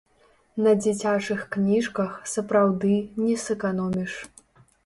На дзіцячых кніжках, сапраўды, не сэканоміш.